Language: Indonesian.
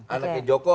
anak keadilan juga